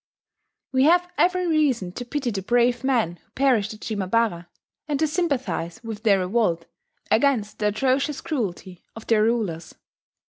We have every reason to pity the brave men who perished at Shimabara, and to sympathize with their revolt against the atrocious cruelty of their rulers.